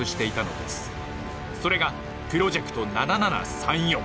それがプロジェクト７７３４。